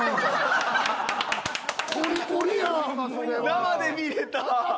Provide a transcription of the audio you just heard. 生で見れた。